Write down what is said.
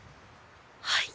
はい。